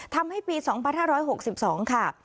ทำให้ปี๒๕๖๒ค่ะ